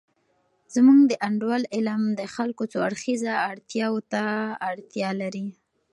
زمونږ د انډول علم د خلګو څو اړخیزه اړتیاوو ته اړتیا لري.